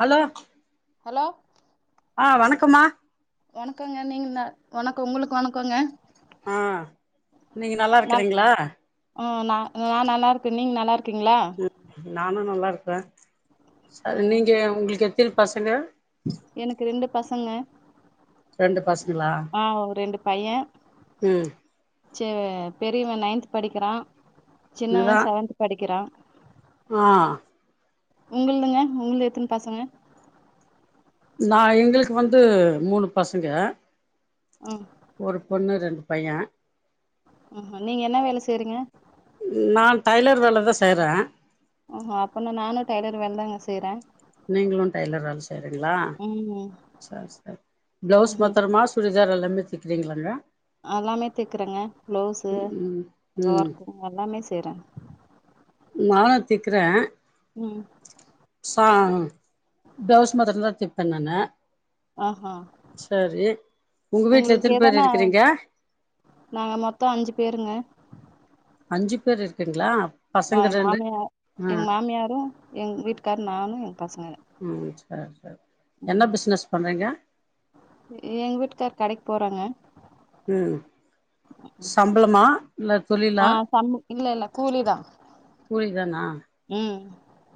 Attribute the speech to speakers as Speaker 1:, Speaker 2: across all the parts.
Speaker 1: hello
Speaker 2: hello
Speaker 1: ஆ வணக்கமா
Speaker 2: வணக்கோங்க நீங்க நல் வணக்கம் உங்களுக்கு வணக்கோங்க
Speaker 1: ஆ நீங்க நல்லா இருக்கிறீங்ளா
Speaker 2: ம் நா நல்லா இருக்க நீங்க நல்லாிருக்கீங்ளா
Speaker 1: நானு நல்லா இருக்கே
Speaker 2: ஆ
Speaker 1: சரி நீங்க உங்களுக்கு எத்தினி பசங்க
Speaker 2: எனக்கு ரொண்டு பசங்க
Speaker 1: ரெண்டு பசங்களா
Speaker 2: ஆ ரெண்டு பைய
Speaker 1: ம்
Speaker 2: ச்சே பெரியவே நைன்த் படிக்கிறா சின்னவே
Speaker 1: இதா
Speaker 2: செவன்த் படிக்கிறா
Speaker 1: ஆ
Speaker 2: உங்கள்துங்க உங்கள்து எத்தினு பசங்க
Speaker 1: நா எங்களுக்கு வந்து மூணு பசங்க
Speaker 2: ம்
Speaker 1: ஒரு பொண்ணு ரண்டு பையன்
Speaker 2: ம்ஹூ நீங்க என்ன வேல செய்றிங்க
Speaker 1: நா டைலர் வேல தா செய்ற
Speaker 2: ம்ஹூ அப்பனா நானு டைலர் வேலதாங்க செய்ற
Speaker 1: நீங்களும் டைலர் வேல செய்றிங்கிளா
Speaker 2: ம்
Speaker 1: சரி சரி பிளவுஸ்
Speaker 2: ம்
Speaker 1: மத்தரமா சுடிதார் எல்லாமே தைக்கறீங்களாங்க
Speaker 2: அல்லாமே தைக்கறங்க பிளவுஸு
Speaker 1: ம் ம்
Speaker 2: ஒர்க்கு எல்லாமே செய்ற
Speaker 1: மொவன திக்கிற
Speaker 2: ம்
Speaker 1: ச பிளவுஸ் மாத்தர தா தப்பே நானு
Speaker 2: ஆஹா
Speaker 1: செரி உங்க வீட்ல
Speaker 2: உங்களுக்கு
Speaker 1: எத்தினி பேர்
Speaker 2: எதனா
Speaker 1: இருக்கிறீங்க
Speaker 2: நாங்க மொத்தம் அஞ்சி பேருங்க
Speaker 1: அஞ்சி பேர் இருக்கறங்கிளா
Speaker 2: ஆ என் மாமியார் எங்க மாமியாரும் எங்க வீட்டுக்காரு நானு எங்க பசங்க
Speaker 1: ம் சரி சரி என்ன பிஸ்னஸ் பண்றீங்க
Speaker 2: எங்க வீட்டுக்கார் கடைக்கு போறாங்க
Speaker 1: ம் சம்பளமா இல்ல
Speaker 2: ஆ
Speaker 1: தொழிலா
Speaker 2: சம் இல்ல இல்ல கூலிதா
Speaker 1: கூலிதானா
Speaker 2: ம்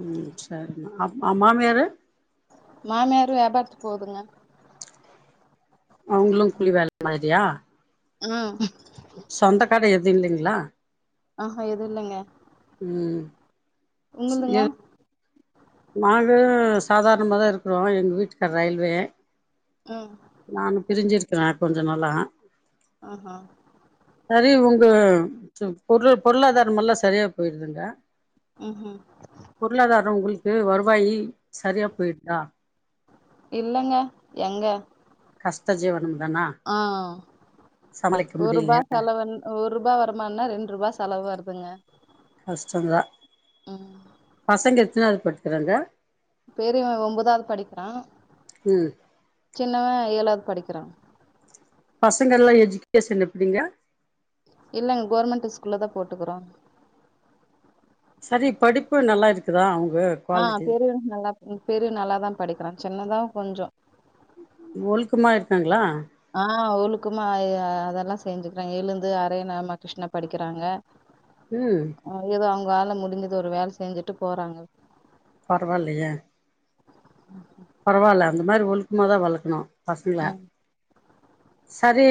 Speaker 1: ம் செரி அப் ஆ மாமியாரு
Speaker 2: மாமியாரு வேபாரத்துக்கு போவுதுங்க
Speaker 1: அவுங்களும் கூலி வேல மாதிரியா
Speaker 2: ம்
Speaker 1: சொந்தக்கட எது இல்லைங்களா
Speaker 2: ஆ ஹா எதும் இல்லங்க
Speaker 1: ம் எ
Speaker 2: உங்கள்துங்க
Speaker 1: நாங்க சாதாரணமா தா இருக்கிறோ எங்க வீட்டுக்கார் ரயில்வே
Speaker 2: ம்
Speaker 1: நானு பிரிஞ்சிருக்கிற கொஞ்ச நாளா
Speaker 2: ஆஹ
Speaker 1: சரி உங்க பொருள் பொருளாதாரமல்லா சரியா போயிருதுங்க
Speaker 2: ம்ஹூம்
Speaker 1: பொருளாதார உங்களுக்கு வருவாயி சரியா போயிருதா
Speaker 2: இல்லங்க எங்க
Speaker 1: கஷ்ட ஜீவனம் தானா
Speaker 2: ஆ
Speaker 1: சமாளிக்க
Speaker 2: ஒரூபா
Speaker 1: முடியலையா
Speaker 2: செலவு ஒரு ரூபா வருமான்னா ரண்டுரூபா செலவு வருதுங்க
Speaker 1: கஷ்டந்தா
Speaker 2: ம்
Speaker 1: பசங்க எத்தினாவது படிக்கறாங்க
Speaker 2: பெரியவன் ஒன்பதாவது படிக்கிறான்
Speaker 1: ம்
Speaker 2: சின்னவன் ஏழாவது படிக்கிறான்
Speaker 1: பசங்க எல்லா எஜீகேஷன் எப்டிங்க
Speaker 2: இல்லங்க கவுர்மெண்ட் ஸ்கூல்ல தா போட்டுக்கிறோ
Speaker 1: சரி படிப்பு நல்லா இருக்குதா அவுங்க
Speaker 2: ஆ பெரிய நல்லா பெரிய நல்லாதா படிக்கிறா சின்னதா கொஞ்ச
Speaker 1: ஒழுக்கமா இருக்காங்களா
Speaker 2: ஆ அவளுக்குமா அ அதெல்லா செஞ்சுக்கிறாங்க எழுந்து ஹரே ராம கிருஷ்ணா படிக்கிறாங்க
Speaker 1: ம்
Speaker 2: ஆ ஏதோ அவுங்க ஆல முடிஞ்சது ஒரு வேலை செஞ்சுட்டு போறாங்க
Speaker 1: பரவாயில்லயே
Speaker 2: ம்
Speaker 1: பரவாயில்ல அந்த மாரி ஒழுக்கமாதா வளர்க்கணும் பசங்கள
Speaker 2: ம்
Speaker 1: சரி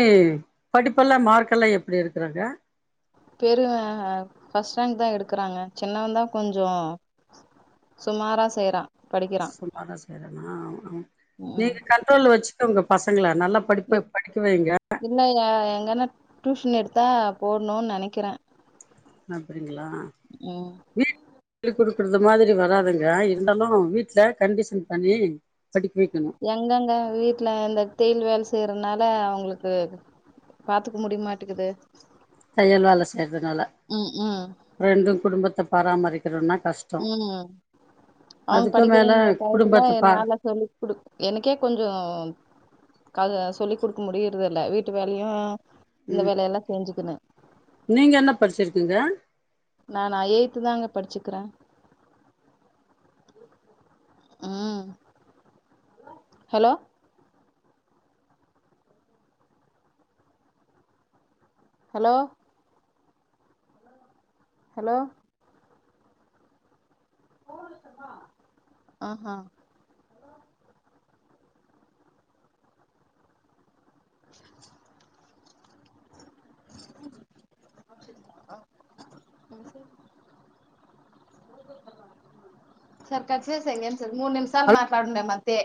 Speaker 1: படிப்பெல்லா மார்கெல்லா எப்டி எடுக்குறாங்க
Speaker 2: பெரு ஃபஸ்ட் ரேங் தா எடுக்குறாங்க சின்னவன் தா கொஞ்சம் சுமாரா செய்றான்
Speaker 1: சுமாரா செய்றானா
Speaker 2: ம்
Speaker 1: நீங்க கண்ட்ரோல்ல வச்சுக்கோங்க பசங்கள நல்லா படிப்ப படிக்க வைங்க
Speaker 2: இல்லங்க எங்கன்னா டியூஷன் எடுத்தா போடணும்னு நினைக்கிறேன்
Speaker 1: அப்டிங்களா
Speaker 2: ம்
Speaker 1: வீட் குடுக்குறது மாதிரி வராதுங்க இருந்தாலும் வீட்ல கண்டிஷன் பண்ணி படிக்க வைக்கணும்
Speaker 2: எங்கங்க வீட்ல இந்த தேயில் வேலை செய்றதுனால அவங்களுக்கு பாத்துக்க முடியமாட்டுக்குது
Speaker 1: தையல் வேலை செய்றதுனால
Speaker 2: ம் ம்
Speaker 1: ரெண்டு குடும்பத்த பராமரிக்கிறதுனா கஷ்
Speaker 2: ம் அவுங்க
Speaker 1: மேல
Speaker 2: படிக்கின்ற டைத்துல
Speaker 1: குடும்பத்த பா
Speaker 2: என்னால சொல்லி கூடுக் எனக்கே கொஞ்சோ க சொல்லி் குடுக்க முடியுறது இல்ல வீட்டு வேலையும் இந்த வேலையெல்லா செஞ்சுக்கின்னு
Speaker 1: நீங்க என்ன படிச்சிருக்கிங்க
Speaker 2: நானா எயி்த் தாங்க படிச்சுக்கிறேன் ம் ஹலோ ஹலோ ஹலோ அ ஹா [inaudible]
Speaker 1: அ
Speaker 2: சர்க்கார் [unintelligible] மூணு நிமிஷம்
Speaker 1: ஹலோ
Speaker 2: மத்தே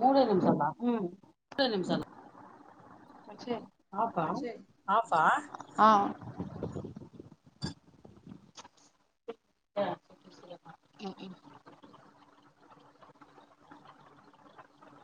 Speaker 2: மூணு நிமிஷமா ம்
Speaker 1: பத்து நிமிஷம்
Speaker 2: [unintelligible]
Speaker 1: ஆஃபா
Speaker 2: ஆ ம்